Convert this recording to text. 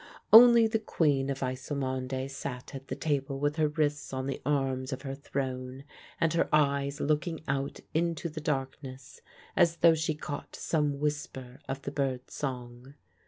Only the Queen of Ysselmonde sat at the table with her wrists on the arms of her throne and her eyes looking out into the darkness, as though she caught some whisper of the bird's song.